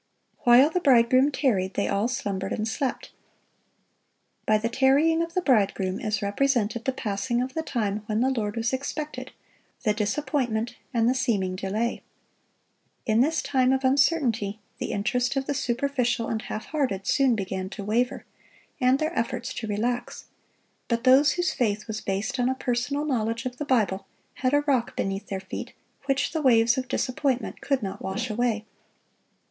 "While the bridegroom tarried, they all slumbered and slept." By the tarrying of the bridegroom is represented the passing of the time when the Lord was expected, the disappointment, and the seeming delay. In this time of uncertainty, the interest of the superficial and half hearted soon began to waver, and their efforts to relax; but those whose faith was based on a personal knowledge of the Bible, had a rock beneath their feet, which the waves of disappointment could not wash away.